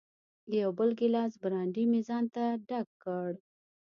یو بل ګیلاس برانډي مې ځانته ډک کړ.